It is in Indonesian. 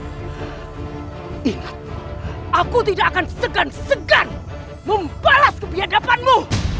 guru ingat aku tidak akan segan segan membalas kebiadabanmu